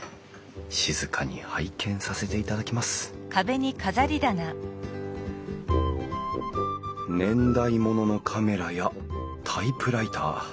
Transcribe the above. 静かに拝見させていただきます年代物のカメラやタイプライター。